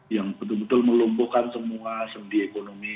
yang betul betul melumpuhkan semua sendi ekonomi